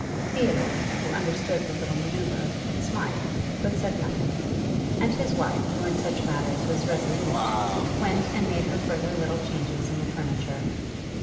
Theodore, who understood the little manoeuvre, smiled but said nothing, and his wife, who in such matters was resolute, went and made her further little changes in the furniture.